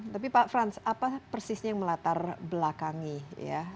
tapi pak frans apa persisnya yang melatar belakangi ya